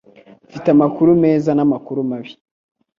Mfite amakuru meza namakuru mabi